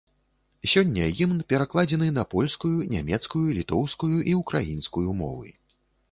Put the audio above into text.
Сёння гімн перакладзены на польскую, нямецкую, літоўскую і ўкраінскую мовы.